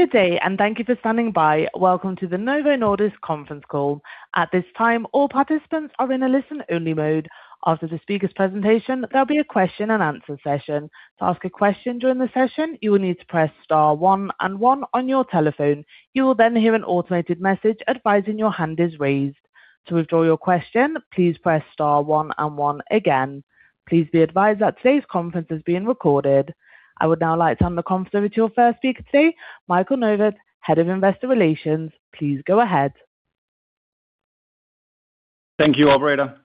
Good day, and thank you for standing by. Welcome to the Novo Nordisk conference call. At this time, all participants are in a listen-only mode. After the speaker's presentation, there will be a question-and-answer session. To ask a question during the session, you will need to press star one and one on your telephone. You will then hear an automated message advising your hand is raised. To withdraw your question, please press star one and one again. Please be advised that today's conference is being recorded. I would now like to hand the conference over to your first speaker today, Michael Novod, Head of Investor Relations. Please go ahead. Thank you, operator.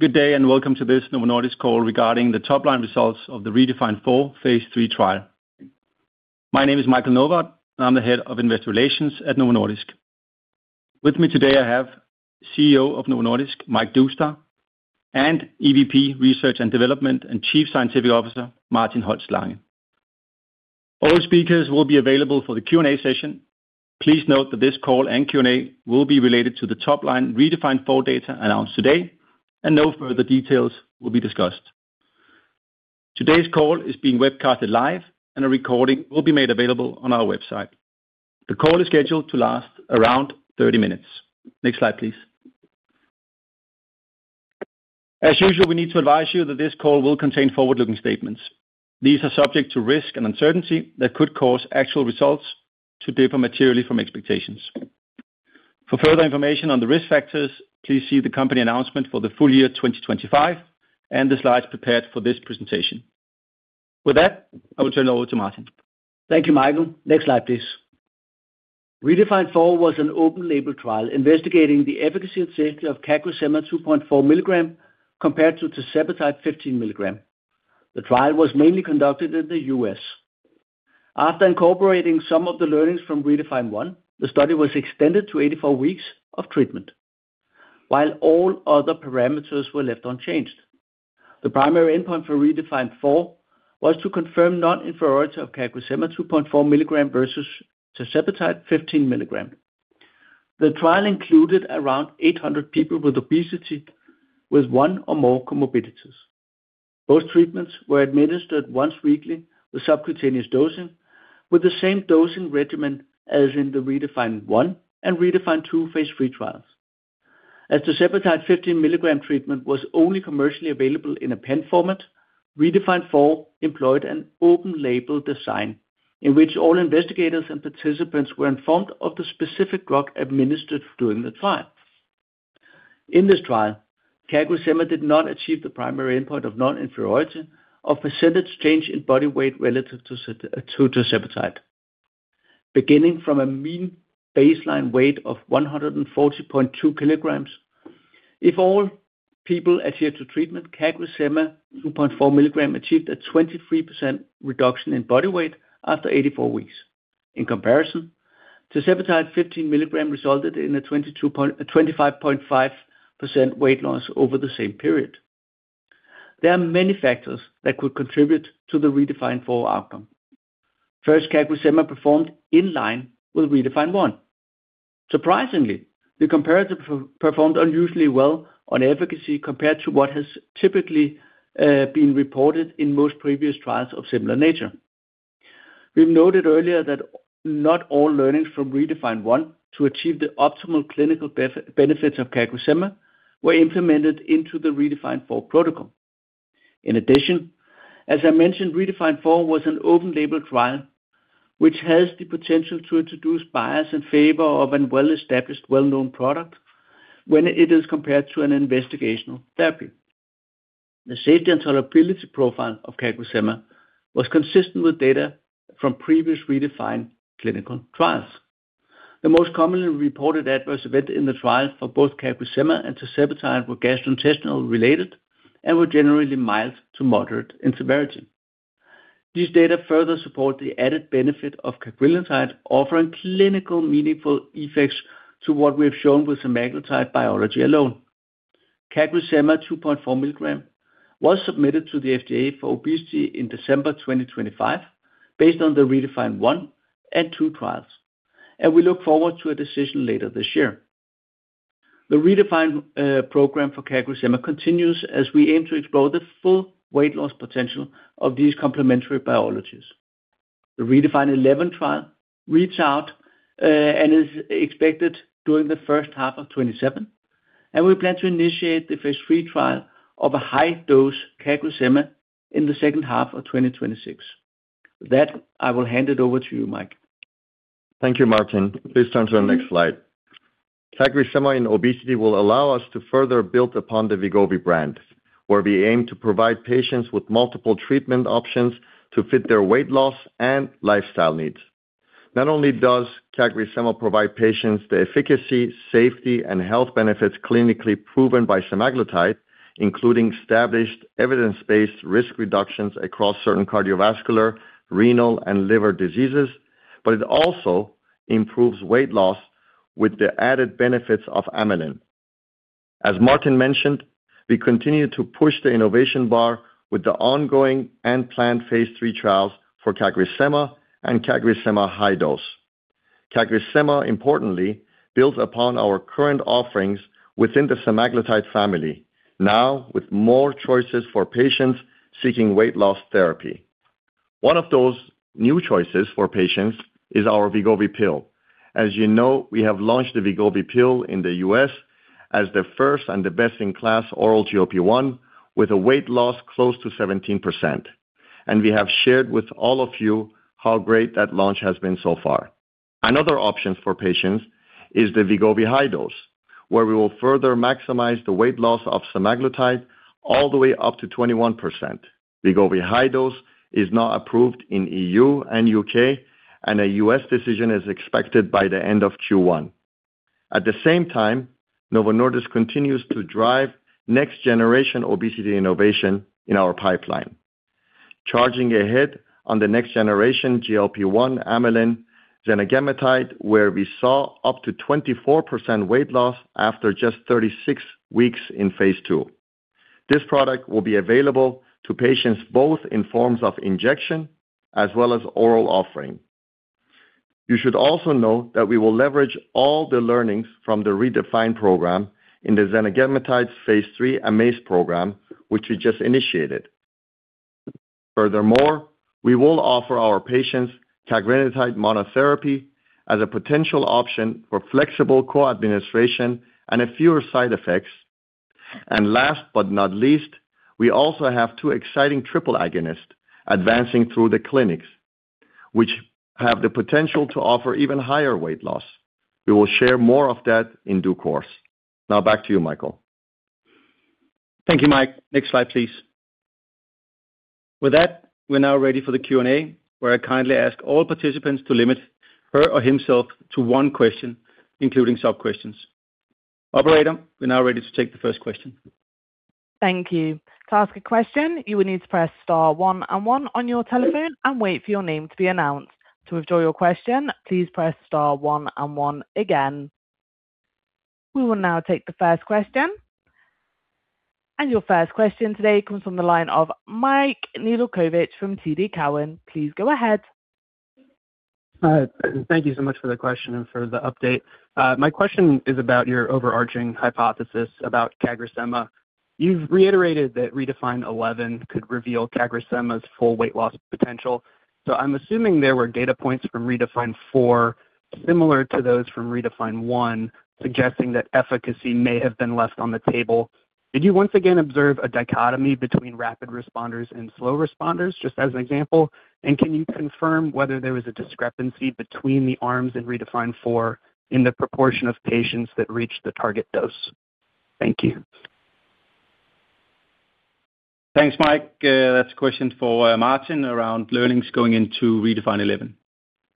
Good day, welcome to this Novo Nordisk call regarding the top-line results of the REDEFINE 4 phase III trial. My name is Michael Novod, I'm the Head of Investor Relations at Novo Nordisk. With me today, I have CEO of Novo Nordisk, Mike Doustdar, EVP, Research and Development, and Chief Scientific Officer, Martin Holst Lange. All speakers will be available for the Q&A session. Please note that this call and Q&A will be related to the top-line REDEFINE 4 data announced today, and no further details will be discussed. Today's call is being webcast live, and a recording will be made available on our website. The call is scheduled to last around 30 minutes. Next slide, please. As usual, we need to advise you that this call will contain forward-looking statements. These are subject to risk and uncertainty that could cause actual results to differ materially from expectations. For further information on the risk factors, please see the company announcement for the full year 2025 and the slides prepared for this presentation. With that, I will turn it over to Martin. Thank you, Michael. Next slide, please. REDEFINE 4 was an open-label trial investigating the efficacy and safety of CagriSema 2.4 mg compared to Tirzepatide 15 mg. The trial was mainly conducted in the U.S. After incorporating some of the learnings from REDEFINE 1, the study was extended to 84 weeks of treatment, while all other parameters were left unchanged. The primary endpoint for REDEFINE 4 was to confirm non-inferiority of CagriSema 2.4 mg versus Tirzepatide 15 mg. The trial included around 800 people with obesity, with one or more comorbidities. Both treatments were administered once weekly with subcutaneous dosing, with the same dosing regimen as in the REDEFINE 1 and REDEFINE 2 phase III trials. As Tirzepatide 15 mg treatment was only commercially available in a pen format, REDEFINE 4 employed an open-label design, in which all investigators and participants were informed of the specific drug administered during the trial. In this trial, CagriSema did not achieve the primary endpoint of non-inferiority of percentage change in body weight relative to Tirzepatide. Beginning from a mean baseline weight of 140.2 kg, if all people adhere to treatment, CagriSema 2.4 mg achieved a 23% reduction in body weight after 84 weeks. In comparison, Tirzepatide 15 mg resulted in a 25.5% weight loss over the same period. There are many factors that could contribute to the REDEFINE 4 outcome. First, CagriSema performed in line with REDEFINE 1. Surprisingly, the comparator performed unusually well on efficacy compared to what has typically been reported in most previous trials of a similar nature. We've noted earlier that not all learnings from REDEFINE 1 to achieve the optimal clinical benefits of CagriSema were implemented into the REDEFINE 4 protocol. In addition, as I mentioned, REDEFINE 4 was an open-label trial, which has the potential to introduce bias in favor of a well-established, well-known product when it is compared to an investigational therapy. The safety and tolerability profile of CagriSema was consistent with data from previous REDEFINE clinical trials. The most commonly reported adverse event in the trial for both CagriSema and Tirzepatide were gastrointestinal related and were generally mild to moderate in severity. These data further support the added benefit of CagriSema, offering clinical meaningful effects to what we have shown with semaglutide biology alone. CagriSema 2.4 mg was submitted to the FDA for obesity in December 2025, based on the REDEFINE I and II trials, we look forward to a decision later this year. The REDEFINE program for CagriSema continues as we aim to explore the full weight loss potential of these complementary biologies. The REDEFINE 11 trial readout is expected during the first half of 2027, we plan to initiate the phase III trial of a high-dose CagriSema in the second half of 2026. With that, I will hand it over to you, Mike. Thank you, Martin. Please turn to the next slide. CagriSema in obesity will allow us to further build upon the Wegovy brand, where we aim to provide patients with multiple treatment options to fit their weight loss and lifestyle needs. Not only does CagriSema provide patients the efficacy, safety, and health benefits clinically proven by semaglutide, including established evidence-based risk reductions across certain cardiovascular, renal, and liver diseases. It also improves weight loss with the added benefits of amylin. As Martin mentioned, we continue to push the innovation bar with the ongoing and planned phase III trials for CagriSema and CagriSema high dose. CagriSema importantly builds upon our current offerings within the semaglutide family, now with more choices for patients seeking weight loss therapy. One of those new choices for patients is our Wegovy pill. As you know, we have launched the Wegovy pill in the U.S. as the first and the best-in-class oral GLP-1, with a weight loss close to 17%, and we have shared with all of you how great that launch has been so far. Another option for patients is the Wegovy high dose, where we will further maximize the weight loss of semaglutide all the way up to 21%. Wegovy high dose is now approved in EU and U.K., and a U.S. decision is expected by the end of Q1. At the same time, Novo Nordisk continues to drive next generation obesity innovation in our pipeline, charging ahead on the next generation GLP-1 amylin, zenagamtide, where we saw up to 24% weight loss after just 36 weeks in phase II. This product will be available to patients both in forms of injection as well as oral offering. You should also know that we will leverage all the learnings from the REDEFINE program in the zenagamtide phase III AMAZE program, which we just initiated. Furthermore, we will offer our patients cagrilintide monotherapy as a potential option for flexible co-administration and a fewer side effects. Last but not least, we also have two exciting triple agonist advancing through the clinics, which have the potential to offer even higher weight loss. We will share more of that in due course. Now back to you, Michael Novod. Thank you, Mike. Next slide, please. With that, we're now ready for the Q&A, where I kindly ask all participants to limit her or himself to one question, including sub-questions. Operator, we're now ready to take the first question. Thank you. To ask a question, you will need to press star one and one on your telephone and wait for your name to be announced. To withdraw your question, please press star one and one again. We will now take the first question. Your first question today comes from the line of Mike Nedelcovych from TD Cowen. Please go ahead. Hi, thank you so much for the question and for the update. My question is about your overarching hypothesis about CagriSema. You've reiterated that REDEFINE 11 could reveal CagriSema's full weight loss potential. I'm assuming there were data points from REDEFINE 4, similar to those from REDEFINE 1, suggesting that efficacy may have been left on the table. Did you once again observe a dichotomy between rapid responders and slow responders, just as an example, and can you confirm whether there was a discrepancy between the arms in REDEFINE 4 in the proportion of patients that reached the target dose? Thank you. Thanks, Mike. That's a question for Martin around learnings going into REDEFINE 11.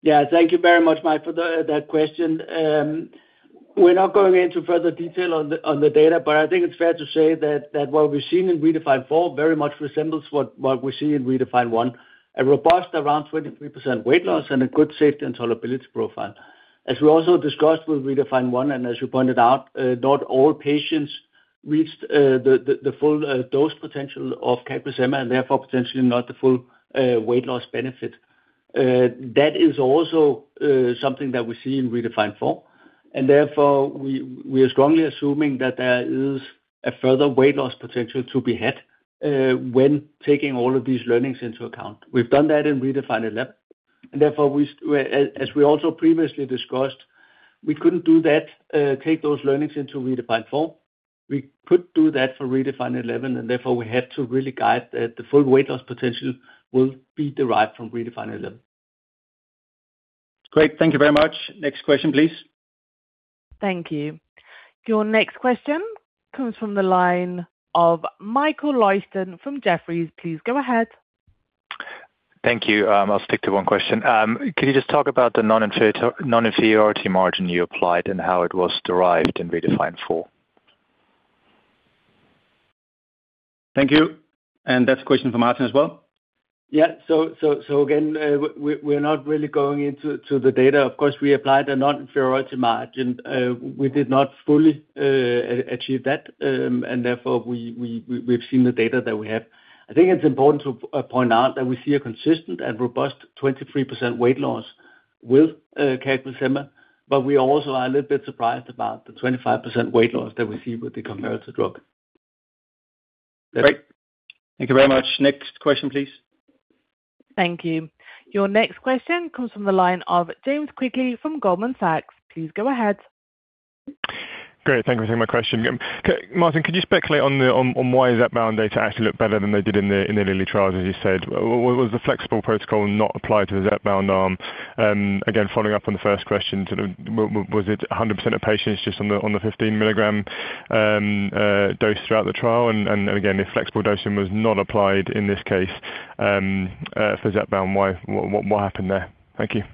Yeah, thank you very much, Mike, for that question. We're not going into further detail on the data, but I think it's fair to say that what we've seen in REDEFINE 4 very much resembles what we see in REDEFINE 1, a robust around 23% weight loss and a good safety and tolerability profile. As we also discussed with REDEFINE 1, and as you pointed out, not all patients reached the full dose potential of CagriSema, and therefore potentially not the full weight loss benefit. That is also something that we see in REDEFINE 4, and therefore we are strongly assuming that there is a further weight loss potential to be had when taking all of these learnings into account. We've done that in REDEFINE 11, and therefore we, as we also previously discussed, we couldn't do that, take those learnings into REDEFINE 4. We could do that for REDEFINE 11, and therefore we had to really guide the, the full weight loss potential will be derived from REDEFINE 11. Great. Thank you very much. Next question, please. Thank you. Your next question comes from the line of Michael Leuchten from Jefferies. Please go ahead. Thank you. I'll stick to one question. Could you just talk about the non-inferiority margin you applied and how it was derived in REDEFINE 4? Thank you. That's a question for Martin as well. Yeah. Again, we're not really going into to the data. Of course, we applied a non-inferiority margin. We did not fully achieve that, therefore, we've seen the data that we have. I think it's important to point out that we see a consistent and robust 23% weight loss with CagriSema, we also are a little bit surprised about the 25% weight loss that we see with the comparative drug. Great. Thank you very much. Next question, please. Thank you. Your next question comes from the line of James Quigley from Goldman Sachs. Please go ahead. Great. Thank you for taking my question. Martin, could you speculate on why the Zepbound data actually looked better than they did in the early trials, as you said? Was the flexible protocol not applied to the Zepbound arm? Again, following up on the first question, sort of was it 100% of patients just on the 15 mg dose throughout the trial? Again, if flexible dosing was not applied in this case, for Zepbound, why? What happened there? Thank you.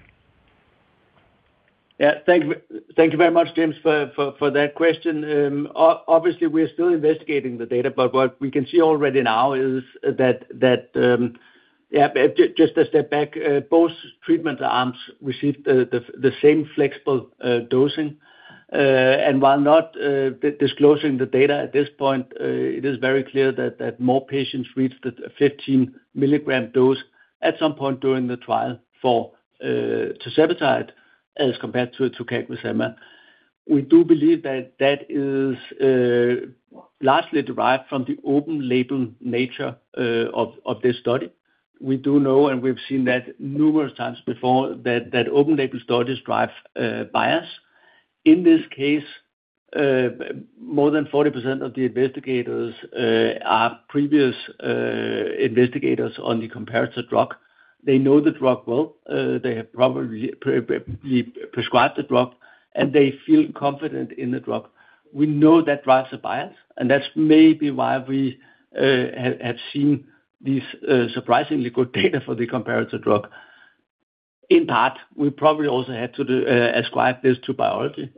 Yeah. Thank you. Thank you very much, James for that question. Obviously, we are still investigating the data, but what we can see already now is that, that, yeah, just to step back, both treatment arms received the, the same flexible dosing. And while not disclosing the data at this point, it is very clear that more patients reached the 15 mg dose at some point during the trial for Tirzepatide, as compared to the CagriSema. We do believe that that is largely derived from the open-label nature of this study. We do know, and we've seen that numerous times before, that open-label studies drive bias. In this case, more than 40% of the investigators are previous investigators on the comparator drug. They know the drug well. They have probably prescribed the drug, and they feel confident in the drug. We know that drives the bias, and that's maybe why we have seen these surprisingly good data for the comparator drug. In part, we probably also had to do ascribe this to biology.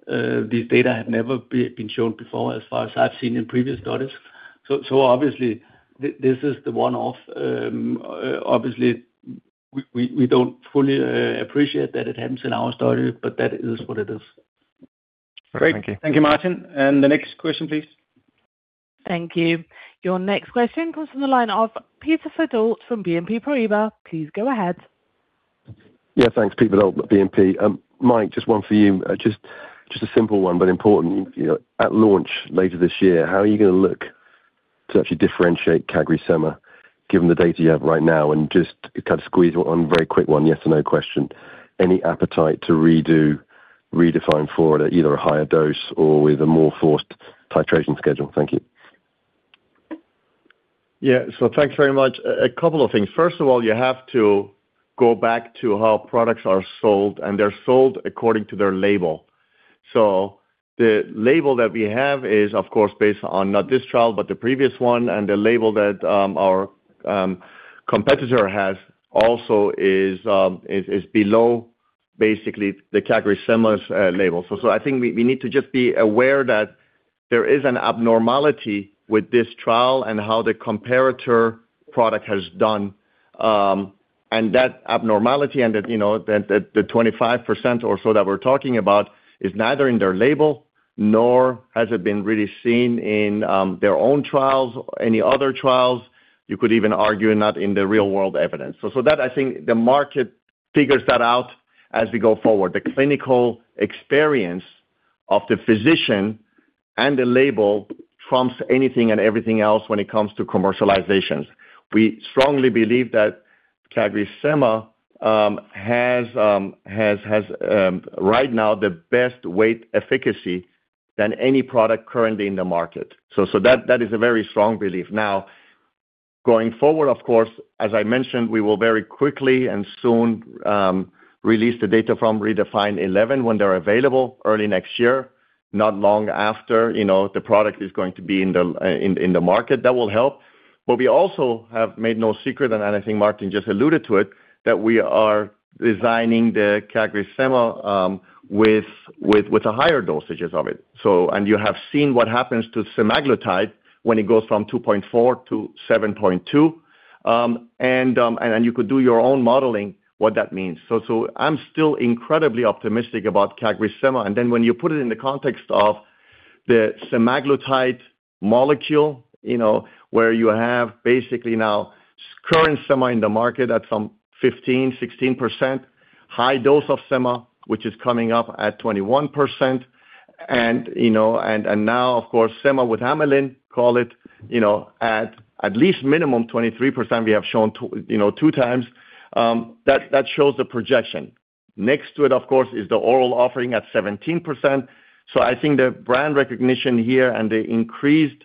These data have never been shown before, as far as I've seen in previous studies. So obviously, this is the one-off. Obviously, we, we, we don't fully appreciate that it happens in our study, but that is what it is. Great. Thank you. Thank you, Martin. The next question, please. Thank you. Your next question comes from the line of Peter Verdult from BNP Paribas. Please go ahead. Yeah, thanks. Peter Verdult, BNP. Mike, just one for you. Just a simple one, but important. You know, at launch, later this year, how are you gonna look to actually differentiate CagriSema, given the data you have right now? And just to kind of squeeze on very quick one, yes or no question, any appetite to redo REDEFINE 4 at either a higher dose or with a more forced titration schedule? Thank you. Yeah. Thanks very much. A couple of things. First of all, you have to go back to how products are sold, and they're sold according to their label. The label that we have is, of course, based on not this trial, but the previous one, and the label that our competitor has also is below, basically, the CagriSema's label. I think we need to just be aware that there is an abnormality with this trial and how the comparator product has done. And that abnormality and that, you know, the 25% or so that we're talking about is neither in their label, nor has it been really seen in their own trials, any other trials. You could even argue, not in the real world evidence. So that, I think, the market figures that out as we go forward. The clinical experience of the physician and the label trumps anything and everything else when it comes to commercializations. We strongly believe that CagriSema has right now, the best weight efficacy than any product currently in the market. So that, that is a very strong belief. Now, going forward, of course, as I mentioned, we will very quickly and soon release the data from REDEFINE 11 when they're available early next year, not long after, you know, the product is going to be in the in the market. That will help. We also have made no secret, and I think Martin just alluded to it, that we are designing the CagriSema with the higher dosages of it. And you have seen what happens to semaglutide when it goes from 2.4 to 7.2. And, and you could do your own modeling, what that means. So I'm still incredibly optimistic about CagriSema. When you put it in the context of the semaglutide molecule, you know, where you have basically now current sema in the market at some 15%-16%, high dose of sema, which is coming up at 21%, and, you know, and, and now, of course, sema with amylin, call it, you know, at at least minimum 23%, we have shown, you know, 2x that, that shows the projection. Next to it, of course, is the oral offering at 17%. I think the brand recognition here and the increased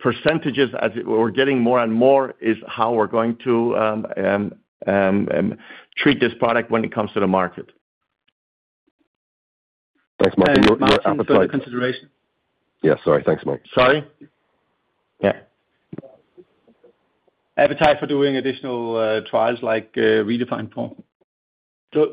percentages as we're getting more and more, is how we're going to treat this product when it comes to the market. Thanks, Martin. Your, your appetite- Consideration. Yeah, sorry. Thanks, Mike. Sorry? Yeah. Appetite for doing additional trials, like REDEFINE 4.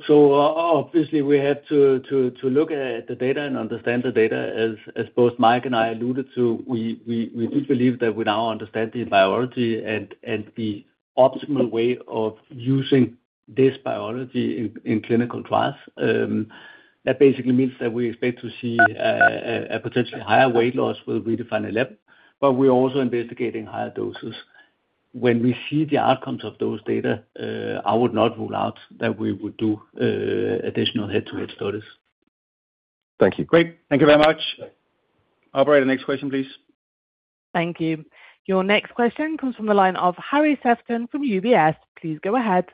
Obviously, we have to look at the data and understand the data. As both Mike and I alluded to, we do believe that we now understand the biology and the optimal way of using this biology in clinical trials. That basically means that we expect to see a potentially higher weight loss with REDEFINE 11, but we're also investigating higher doses. When we see the outcomes of those data, I would not rule out that we would do additional head-to-head studies. Thank you. Great. Thank you very much. Operator, next question, please. Thank you. Your next question comes from the line of Harry Sephton from UBS. Please go ahead.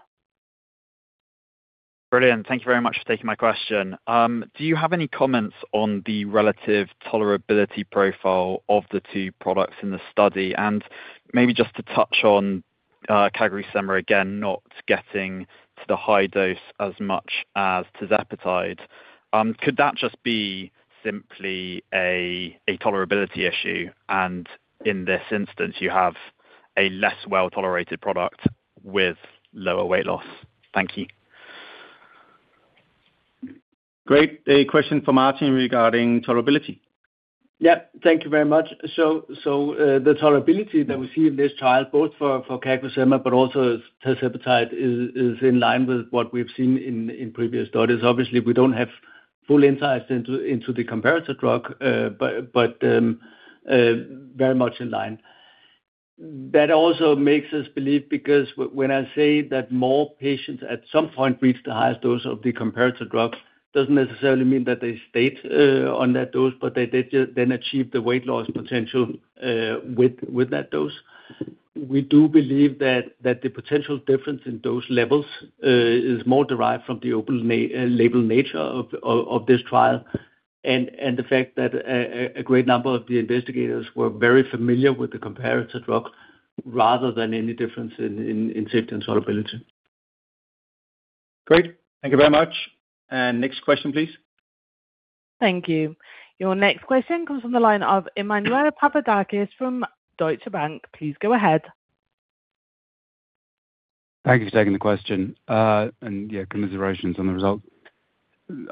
Brilliant. Thank you very much for taking my question. Do you have any comments on the relative tolerability profile of the 2 products in the study? Maybe just to touch on, CagriSema again, not getting to the high dose as much as tirzepatide. Could that just be simply a tolerability issue? In this instance, you have a less well-tolerated product with lower weight loss. Thank you. Great. A question for Martin regarding tolerability. Yep, thank you very much. The tolerability that we see in this trial, both for CagriSema, but also Tirzepatide is in line with what we've seen in previous studies. Obviously, we don't have full insights into the comparative drug, but very much in line. That also makes us believe, because when I say that more patients at some point reach the highest dose of the comparative drugs, doesn't necessarily mean that they stayed on that dose, but they did then achieve the weight loss potential with that dose. We do believe that, that the potential difference in dose levels, is more derived from the open-label nature of this trial, and the fact that a great number of the investigators were very familiar with the comparative drug, rather than any difference in safety and tolerability. Great! Thank you very much. Next question, please. Thank you. Your next question comes from the line of Emmanuel Papadakis from Deutsche Bank. Please go ahead. Thank you for taking the question. Yeah, commiserations on the result.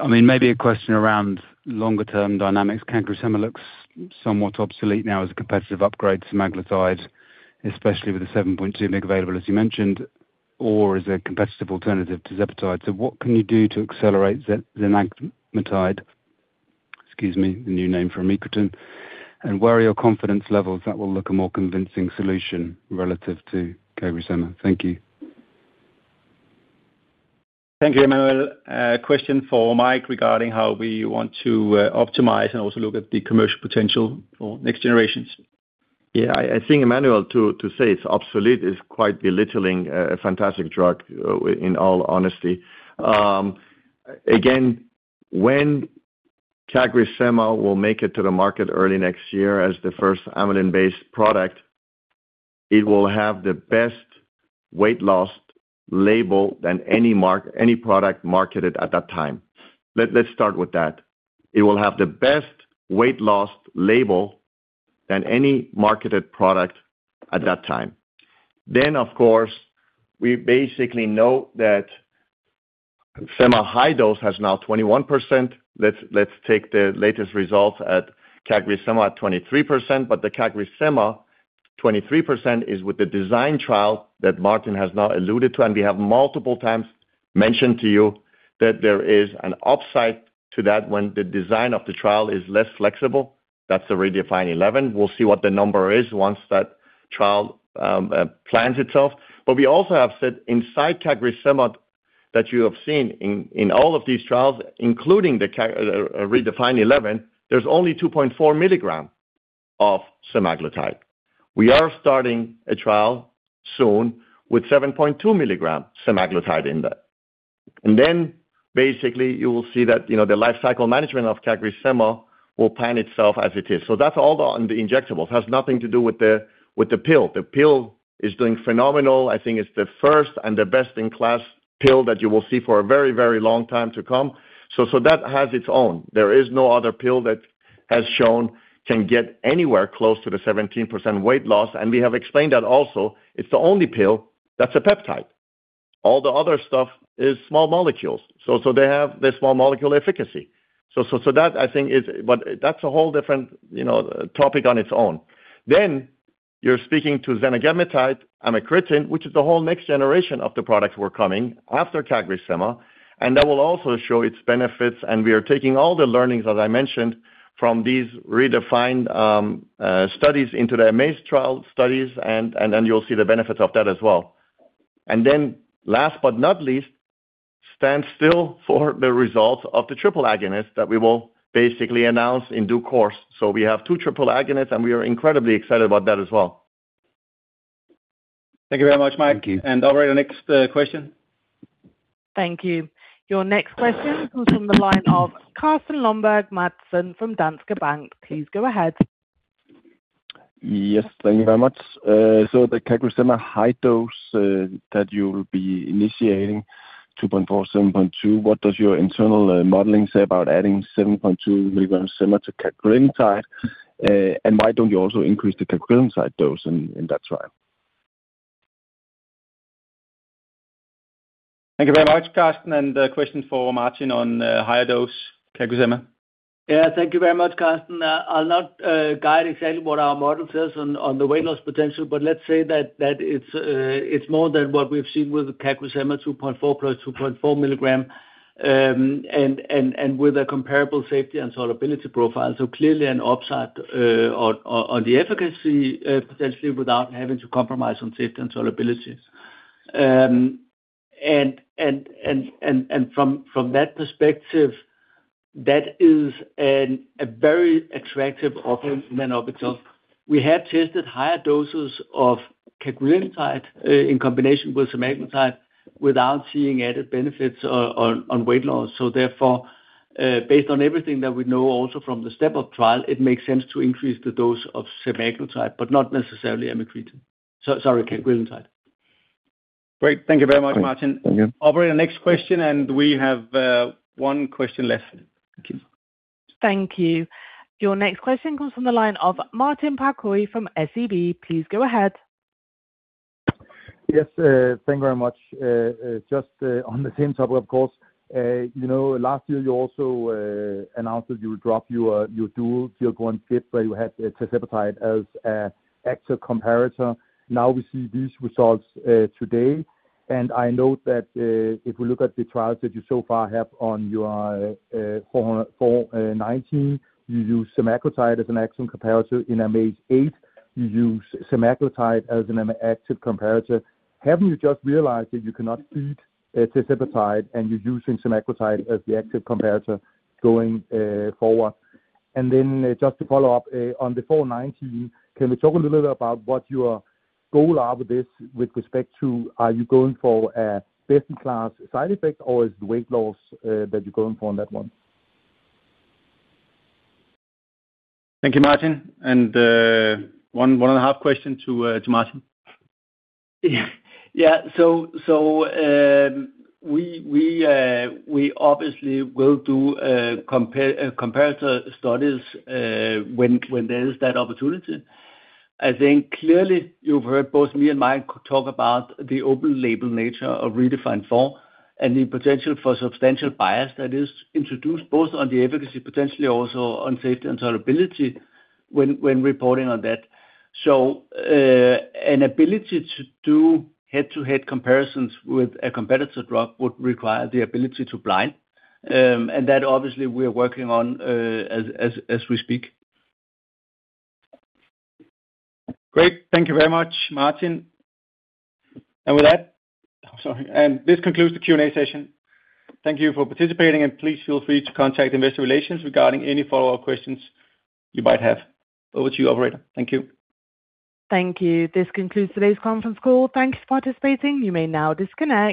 I mean, maybe a question around longer term dynamics. CagriSema looks somewhat obsolete now as a competitive upgrade semaglutide, especially with the 7.2 available, as you mentioned, or as a competitive alternative to Tirzepatide. What can you do to accelerate the zenagamtide? Excuse me, the new name for amycretin. Where are your confidence levels that will look a more convincing solution relative to CagriSema? Thank you. Thank you, Emmanuel. Question for Mike regarding how we want to optimize and also look at the commercial potential for next generations. Yeah, I, I think, Emmanuel, to, to say it's obsolete is quite belittling a, a fantastic drug, in all honesty. Again, when CagriSema will make it to the market early next year as the first amylin-based product, it will have the best weight loss label than any mark, any product marketed at that time. Let, let's start with that. It will have the best weight loss label than any marketed product at that time. Of course, we basically know that sema high dose has now 21%. Let's, let's take the latest results at CagriSema at 23%, but the CagriSema 23% is with the design trial that Martin has now alluded to, and we have multiple times mentioned to you that there is an upside to that when the design of the trial is less flexible. That's the REDEFINE 11. We'll see what the number is once that trial plans itself. We also have said inside CagriSema, that you have seen in, in all of these trials, including REDEFINE 11, there's only 2.4 mg of semaglutide. We are starting a trial soon with 7.2 mg semaglutide in that. Then, basically, you will see that, you know, the life cycle management of CagriSema will pan itself as it is. That's all on the injectables. It has nothing to do with the, with the pill. The pill is doing phenomenal. I think it's the first and the best-in-class pill that you will see for a very, very long time to come, so, so that has its own. There is no other pill that has shown can get anywhere close to the 17% weight loss, and we have explained that also, it's the only pill that's a peptide. All the other stuff is small molecules, so, so they have the small molecule efficacy. So that, I think, is, but that's a whole different, you know, topic on its own. Then you're speaking to zenagamtide, amycretin, which is the whole next generation of the products were coming after CagriSema, and that will also show its benefits. We are taking all the learnings, as I mentioned, from these REDEFINE studies into the AMAZE trial studies, and then you'll see the benefits of that as well. Then last but not least, stand still for the results of the triple agonist that we will basically announce in due course. We have 2 triple agonists, and we are incredibly excited about that as well. Thank you very much, Mike. Thank you. Over to the next, question. Thank you. Your next question comes from the line of Carsten Lønborg Madsen from Danske Bank. Please go ahead. Yes, thank you very much. So the CagriSema high dose that you will be initiating, 2.4, 7.2, what does your internal modeling say about adding 7.2 mg similar to cagrilintide? Why don't you also increase the cagrilintide dose in that trial? Thank you very much, Carsten, and question for Martin on higher dose CagriSema. Yeah, thank you very much, Carsten. I'll not guide exactly what our model says on the weight loss potential, but let's say that it's more than what we've seen with the CagriSema 2.4 + 2.4 mg, and with a comparable safety and tolerability profile. Clearly an upside on the efficacy, potentially without having to compromise on safety and solubility. From that perspective, that is a very attractive option then, because we have tested higher doses of cagrilintide in combination with semaglutide without seeing added benefits on weight loss. Therefore, based on everything that we know, also from the STEP UP trial, it makes sense to increase the dose of semaglutide, but not necessarily amycretin. Sorry, cagrilintide. Great. Thank you very much, Martin. Thank you. Over to the next question, and we have one question left. Thank you. Thank you. Your next question comes from the line of Martin Parkhøi from SEB. Please go ahead. Yes, thank you very much. Just on the same topic, of course, you know, last year you also announced that you would drop your DUEL V, where you had tirzepatide as an active comparator. Now we see these results today, and I note that if we look at the trials that you so far have on your 419, you use semaglutide as an active comparator. In AMAZE, you use semaglutide as an active comparator. Haven't you just realized that you cannot beat tirzepatide, and you're using semaglutide as the active comparator going forward? Then just to follow up on the 419, can we talk a little bit about what your goal are with this with respect to are you going for a best-in-class side effect, or is it weight loss that you're going for on that one? Thank you, Martin. 1.5 question to Martin. Yeah, yeah. So, we, we, we obviously will do, compare, comparator studies, when, when there is that opportunity. I think clearly you've heard both me and Mike talk about the open-label nature of REDEFINE 4, and the potential for substantial bias that is introduced, both on the efficacy, potentially also on safety and tolerability, when, when reporting on that. An ability to do head-to-head comparisons with a competitor drug would require the ability to blind. That obviously we are working on as we speak. Great. Thank you very much, Martin. With that, sorry, and this concludes the Q&A session. Thank you for participating, and please feel free to contact investor relations regarding any follow-up questions you might have. Over to you, operator. Thank you. Thank you. This concludes today's conference call. Thanks for participating. You may now disconnect.